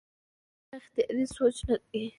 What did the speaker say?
چې دا زما اختياري سوچ نۀ دے